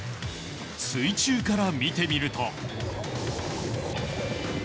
水中から見てみると。